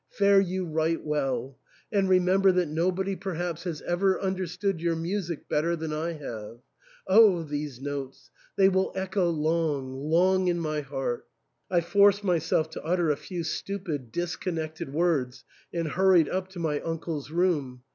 Fare you right well ; and re member that nobody perhaps has ever understood your music better than I have. Oh ! these notes ! they will echo long, long in my heart" I forced my self to utter a few stupid, disconnected words, and hur ried up to my uncle's room.